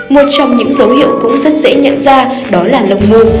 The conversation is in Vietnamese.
một trong những dấu hiệu cũng rất dễ nhận ra đó là lồng ngô